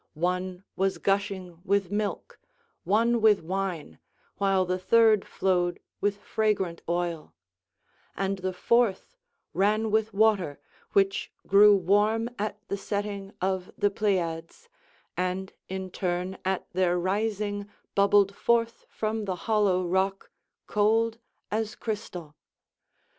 One was gushing with milk, one with wine, while the third flowed with fragrant oil; and the fourth ran with water, which grew warm at the setting of the Pleiads, and in turn at their rising bubbled forth from the hollow rock, cold as crystal.